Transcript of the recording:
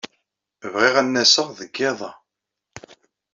Bɣiɣ ad n-aseɣ deg yiḍ-a.